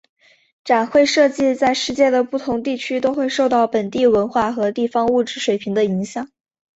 展会设计在世界的不同地区都会受到本地文化和地方物质水平的影响。